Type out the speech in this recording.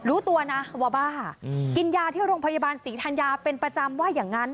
รู้ตัวนะว่าบ้ากินยาที่โรงพยาบาลศรีธัญญาเป็นประจำว่าอย่างนั้น